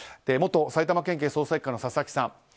元埼玉県警捜査１課の佐々木さん。